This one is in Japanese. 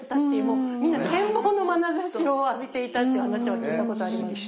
もうみんな羨望のまなざしを浴びていたという話を聞いたことあります。